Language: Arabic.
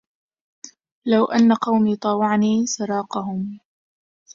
لو أن قومي طاوعتني سراقهم